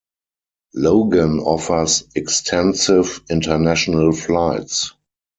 Logan offers extensive international flights.